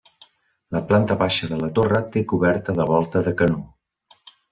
La planta baixa de la torre té coberta de volta de canó.